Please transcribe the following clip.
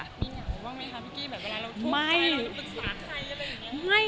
มีเหงาบ้างมั้ยคะพี่กี้แบบเวลาเราโทษใจเราจะปรึกษาใครอะไรอย่างนี้